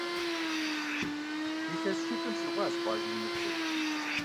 Илъэс щитӏым щӏигъуащ къуажэм и ныбжьыр.